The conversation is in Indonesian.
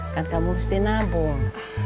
kan kamu mesti nabung